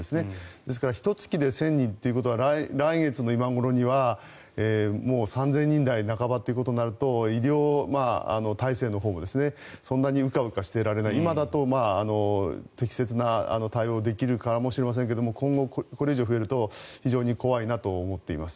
ですからひと月で１０００人ということは来月の今頃にはもう３０００人台半ばとなると医療体制のほうもそんなにうかうかしていられない今だと適切な対応ができるかもしれませんが今後、これ以上増えると非常に怖いなと思っています。